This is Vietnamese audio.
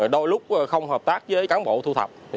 đôi lúc không hợp tác với cán bộ thu thập